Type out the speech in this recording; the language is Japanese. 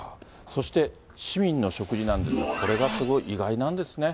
そして市民の食事なんですが、これがすごい意外なんですね。